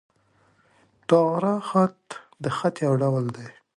طغرا خط، د خط یو ډول دﺉ.